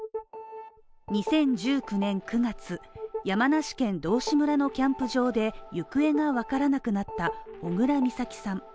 ２０１９年９月、山梨県道志村のキャンプ場で行方がわからなくなった小倉美咲さん。